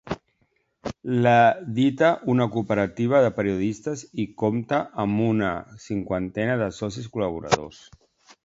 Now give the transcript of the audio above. L'edita una cooperativa de periodistes i compta amb una cinquantena de socis col·laboradors.